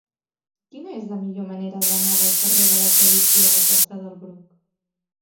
Quina és la millor manera d'anar del carrer de la Tradició a la costa del Bruc?